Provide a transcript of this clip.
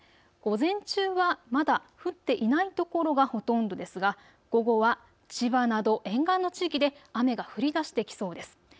午前中はまだ降っていないところがほとんどですが午後は千葉など沿岸の地域で雨が降りだしてきそうです。